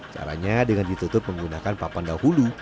caranya dengan ditutup menggunakan papan dahulu